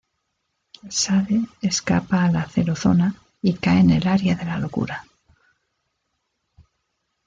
Shade escapa a la Zero-Zona y cae en el Área de la Locura.